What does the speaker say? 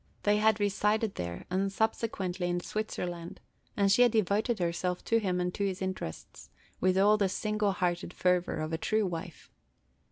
They had resided there, and subsequently in Switzerland, and she had devoted herself to him, and to his interests, with all the single hearted fervor of a true wife.